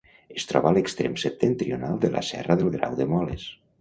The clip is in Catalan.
Es troba a l'extrem septentrional de la serra del Grau de Moles.